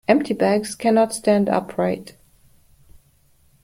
Empty bags cannot stand upright.